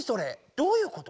どういうこと？